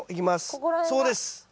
そこです。